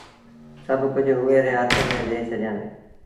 سڀ ڪجھ اُئي ري هٿ ميݩ ڏي ڇڏيآندي اهي۔